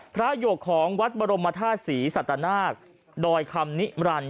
พระหยกของวัดบรมธาษีสัตนาคดอยคำนิรันดิ์